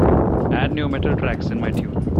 add new metal tracks in my tune